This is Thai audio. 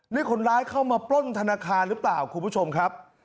นี่คนร้ายเข้ามาปล้นธนาคารหรือเปล่าคุณผู้ชมครับ